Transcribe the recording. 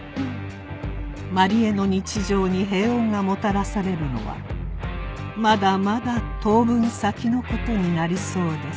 万里江の日常に平穏がもたらされるのはまだまだ当分先のことになりそうです